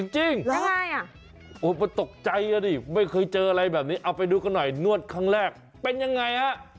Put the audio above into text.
จริงแล้วมันตกใจอ่ะดิไม่เคยเจออะไรแบบนี้เอาไปดูกันหน่อยนวดครั้งแรกเป็นยังไงฮะ